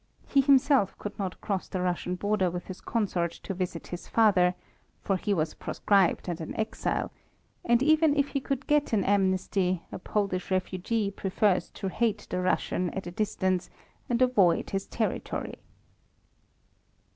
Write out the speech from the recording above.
He himself could not cross the Russian border with his consort to visit his father, for he was proscribed and an exile, and even if he could get an amnesty, a Polish refugee prefers to hate the Russian at a distance and avoid his territory.